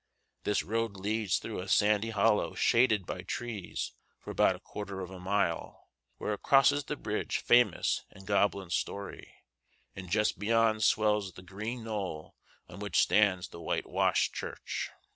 This road leads through a sandy hollow shaded by trees for about a quarter of a mile, where it crosses the bridge famous in goblin story, and just beyond swells the green knoll on which stands the whitewashed church.